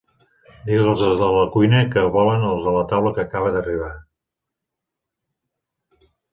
Digue'ls als de la cuina què volen els de la taula que acaba d'arribar.